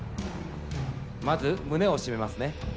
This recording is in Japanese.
まず胸を締めますね。